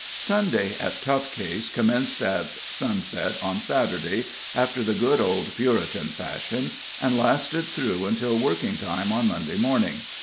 Sunday at Tough Case commenced at sunset on Saturday, after the good old Puritan fashion, and lasted through until working time on Monday morning.